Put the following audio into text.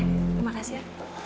terima kasih ya